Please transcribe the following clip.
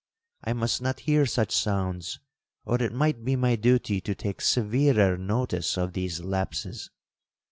—I must not hear such sounds, or it might be my duty to take severer notice of these lapses.